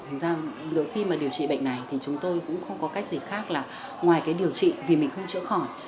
thế ra đối với khi mà điều trị bệnh này thì chúng tôi cũng không có cách gì khác là ngoài cái điều trị vì mình không chữa khỏi